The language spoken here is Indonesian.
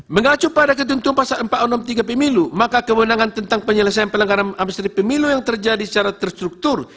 mengacu pada ketentuan pasal empat ratus enam puluh tiga pemilu maka kewenangan tentang penyelesaian pelanggaran administrasi pemilu yang terjadi secara terstruktur